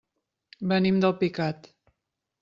Venim d'Alpicat.